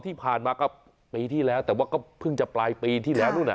ที่ผ่านมาก็ปีที่แล้วแต่ว่าก็เพิ่งจะปลายปีที่แล้วนู่น